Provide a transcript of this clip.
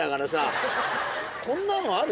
こんなのある？